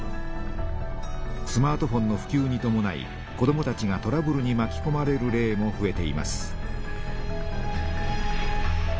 スマートフォンのふきゅうにともない子どもたちがトラブルにまきこまれる例もふえています。